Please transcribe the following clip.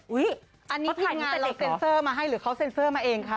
อันนี้ทีมงานเราเซ็นเซอร์มาให้หรือเขาเซ็นเซอร์มาเองคะ